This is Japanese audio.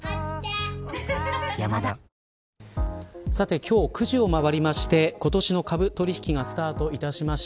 今日９時を回りまして今年の株取引がスタートしました。